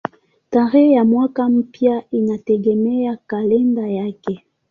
Tarehe ya mwaka mpya inategemea kalenda yake.